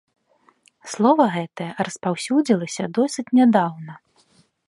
Слова гэтае распаўсюдзілася досыць нядаўна.